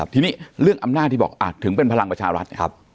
ทีนี้เรื่องอำนาจที่บอกถึงเป็นพลังประชารัฐ